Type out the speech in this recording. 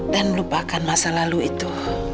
dan lupakan masa lalu itu